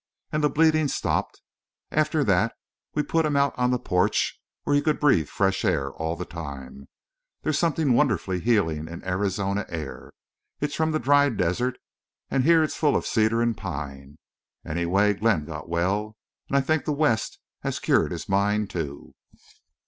And the bleeding stopped. After that we put him out on the porch where he could breathe fresh air all the time. There's something wonderfully healing in Arizona air. It's from the dry desert and here it's full of cedar and pine. Anyway Glenn got well. And I think the West has cured his mind, too."